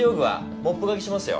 モップがけしますよ。